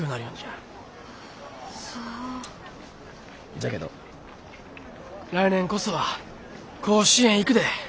じゃけど来年こそは甲子園行くで。